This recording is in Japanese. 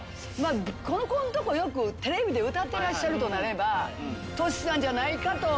ここんとこよくテレビで歌ってらっしゃるとなればＴｏｓｈｌさんじゃないかと。